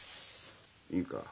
いいか？